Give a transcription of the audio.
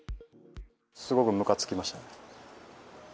すごくむかつきました。